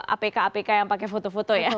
apk apk yang pakai foto foto ya